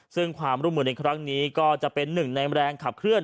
ซึ่งความร่วมมือในครั้งนี้ก็จะเป็นหนึ่งในแรงขับเคลื